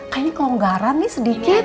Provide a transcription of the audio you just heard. kayaknya kelonggaran nih sedikit